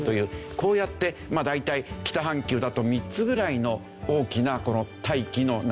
こうやってまあ大体北半球だと３つぐらいの大きなこの大気の流れ